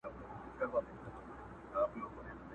وطن مو خپل پاچا مو خپل طالب مُلا مو خپل وو!